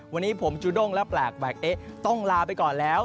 วันนี้ผมจูด้งและแปลกแวกเอ๊ะต้องลาไปก่อนแล้ว